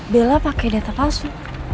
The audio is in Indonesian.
bella pakai data palsu